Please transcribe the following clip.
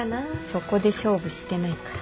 そこで勝負してないから。